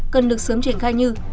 cần được sớm triển khai như